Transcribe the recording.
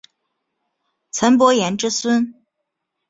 岑伯颜之孙。